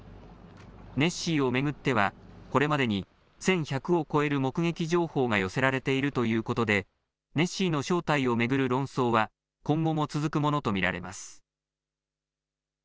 ネッシーを巡ってはこれまでに１１００を超える目撃情報が寄せられているということでネッシーの正体を巡る論争は今後も続くものと見られます。